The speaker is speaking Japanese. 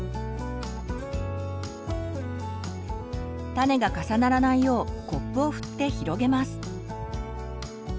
種が重ならないようコップを振って広げます。